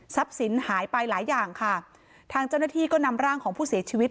สินหายไปหลายอย่างค่ะทางเจ้าหน้าที่ก็นำร่างของผู้เสียชีวิต